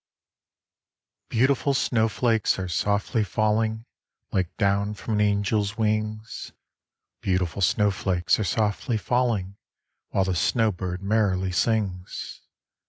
Beautiful snowflakes are softly falling Like down from an angel's wings, Beautiful snowflakes are softly falling While the snow bird merrily sings.